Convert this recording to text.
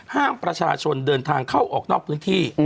ห้ามประชาชนเดินทางเข้าออกนอกพื้นที่